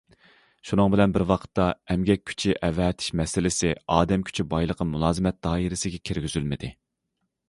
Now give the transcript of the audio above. شۇنىڭ بىلەن بىر ۋاقىتتا، ئەمگەك كۈچى ئەۋەتىش مەسىلىسى ئادەم كۈچى بايلىقى مۇلازىمەت دائىرىسىگە كىرگۈزۈلمىدى.